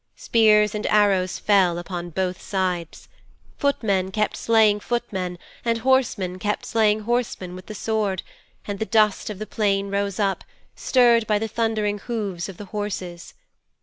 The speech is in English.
Spears and arrows fell upon both sides. Footmen kept slaying footmen and horsemen kept slaying horsemen with the sword, and the dust of the plain rose up, stirred by the thundering hooves of the horses.